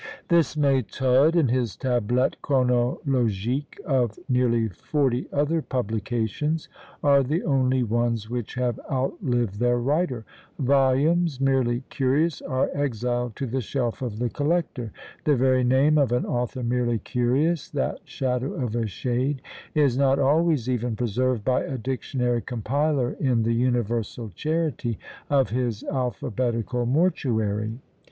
This "Méthode" and his "Tablettes Chronologiques," of nearly forty other publications are the only ones which have outlived their writer; volumes, merely curious, are exiled to the shelf of the collector; the very name of an author merely curious that shadow of a shade is not always even preserved by a dictionary compiler in the universal charity of his alphabetical mortuary.